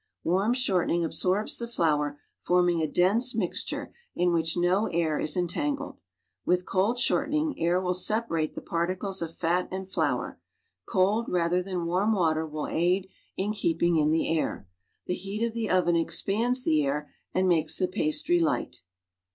Warm shortening aljsorbs the flour, forming a dense, mix ture in which no air is entangled. ^Yitll cold shortening, air will separate the particles of fat and flour; cold rather than warm water will aid in keejiing in the air. The heat of the oven expands the air and makes the pastry light.